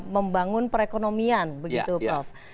membangun perekonomian begitu prof